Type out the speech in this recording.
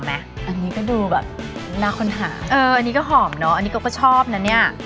อันนี้ก็ดูแบบน่าค้นหาเอออันนี้ก็หอมเนอะอันนี้เขาก็ชอบนะเนี่ย